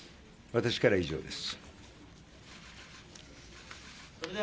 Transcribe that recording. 私からは以上です。